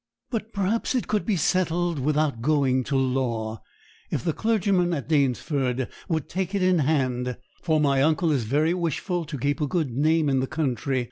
But perhaps it could be settled without going to law, if the clergyman at Danesford would take it in hand; for my uncle is very wishful to keep a good name in the country.